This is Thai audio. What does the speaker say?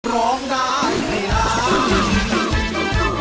ร้องได้ให้ล้าน